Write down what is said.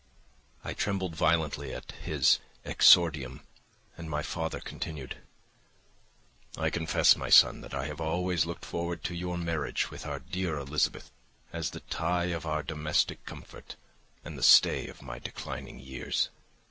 I trembled violently at his exordium, and my father continued— "I confess, my son, that I have always looked forward to your marriage with our dear Elizabeth as the tie of our domestic comfort and the stay of my declining years.